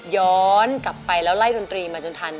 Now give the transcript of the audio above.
ย้อนกลับไปแล้วไล่ดนตรีมาจนทัน